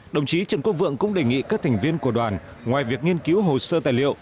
đồng chí trần quốc vượng cũng đề nghị các thành viên của đoàn ngoài việc nghiên cứu hồ sơ tài liệu